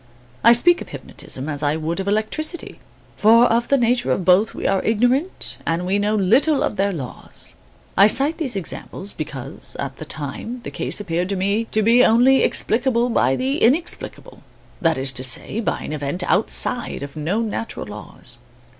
I speak of hypnotism as I would of electricity, for of the nature of both we are ignorant and we know little of their laws. I cite these examples because, at the time, the case appeared to me to be only explicable by the inexplicable, that is to say, by an event outside of known natural laws.